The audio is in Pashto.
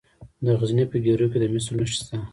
د غزني په ګیرو کې د مسو نښې شته.